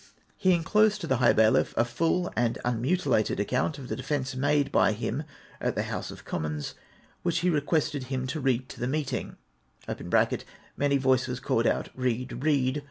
He enclosed WESTxMINSTER MEETING. 437 to the high bailiff' a full and immutilated account of tlie defence made by him at the House of Commons, which he requested him to read to the meeting. (Many voices called out, "Read, read!''''